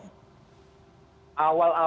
awal awal ada informasi